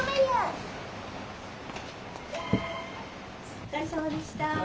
お疲れさまでした。